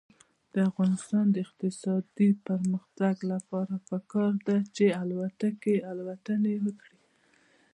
د افغانستان د اقتصادي پرمختګ لپاره پکار ده چې الوتکې الوتنې وکړي.